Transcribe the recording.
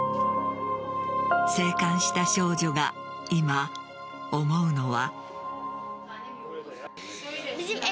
生還した少女が今、思うのは。